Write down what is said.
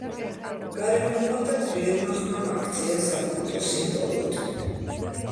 გარეგნობამ და ძლიერმა ხმამ აქცია საკულტო სიმბოლოდ.